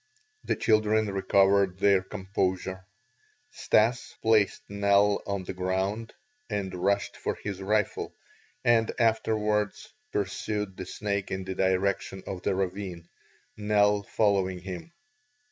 The children recovered their composure. Stas placed Nell on the ground and rushed for his rifle, and afterwards pursued the snake in the direction of the ravine, Nell following him.